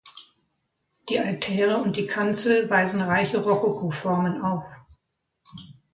Die Altäre und die Kanzel weisen reiche Rokokoformen auf.